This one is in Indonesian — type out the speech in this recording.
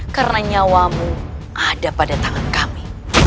karena nyawamu ada pada tangan kami